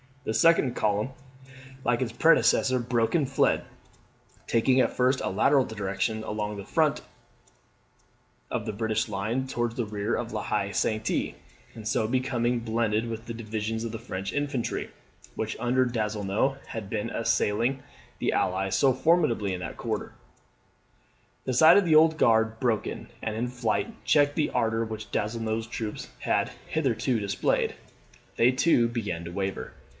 The second column, like its predecessor, broke and fled, taking at first a lateral direction along the front of the British line towards the rear of La Haye Sainte, and so becoming blended with the divisions of French infantry, which under Donzelot had been assailing the Allies so formidably in that quarter. The sight of the Old Guard broken and in flight checked the ardour which Donzelot's troops had hitherto displayed. They, too, began to waver.